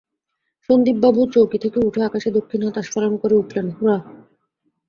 সন্দীপবাবু চৌকি থেকে উঠে আকাশে দক্ষিণ হাত আস্ফালন করে উঠলেন, হুরা!